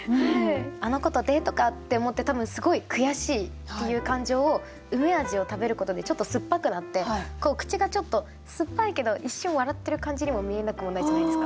あの子とデートかって思って多分すごい悔しいっていう感情をうめ味を食べることでちょっと酸っぱくなって口がちょっと酸っぱいけど一瞬笑ってる感じにも見えなくもないじゃないですか。